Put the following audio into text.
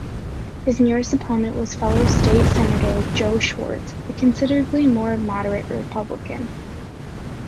His nearest opponent was fellow state senator Joe Schwarz, a considerably more moderate Republican.